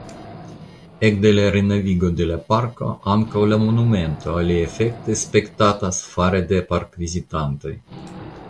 Ekde la renovigo de la parko ankaŭ la monumento aliefekte spektatas fare de parkvizitantoj.